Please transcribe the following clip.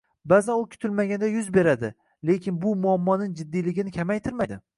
Ba’zan u kutilmaganda yuz beradi, lekin bu muammoning jiddiyligini kamaytirmaydi.